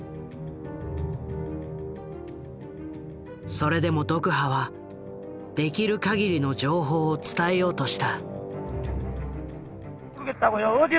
それでもドクハはできるかぎりの情報を伝えようとした。